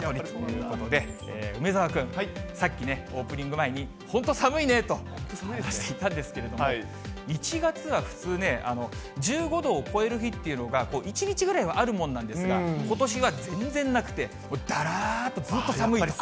ということで、梅澤君、さっきね、オープニング前に本当、寒いねと言っていたんですけれども、１月は普通、１５度を超える日っていうのが、１日ぐらいはあるものなんですが、ことしは全然なくて、だらーっとずっと寒い。